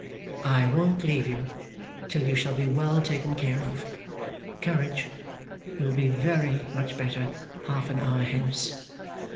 'I won't leave you till you shall be well taken care of. Courage! You will be very much better half an hour hence.